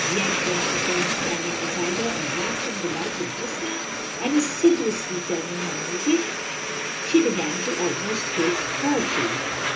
Yet, when she saw him standing beside her, a rapt and delighted listener, and assiduously turning her music, she began to almost hate her, too.